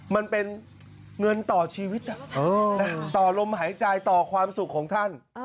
มันเป็นเงินต่อชีวิตต่อลมหายใจต่อความสุขของท่าน